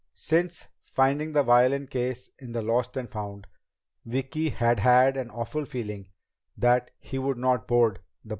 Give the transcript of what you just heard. Since finding the violin case in Lost and Found, Vicki had had an awful feeling that he would not board the plane.